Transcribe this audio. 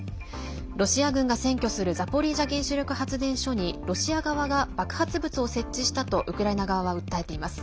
ロシア軍が占拠するザポリージャ原子力発電所にロシア側が爆発物を設置したとウクライナ側は訴えています。